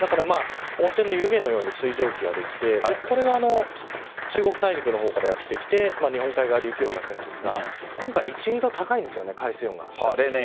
温泉の湯気のように水蒸気ができて中国大陸の方からやってきて日本海側に雪を降らせますが今回は１２度高いんです、海水温が。